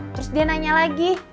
terus dia nanya lagi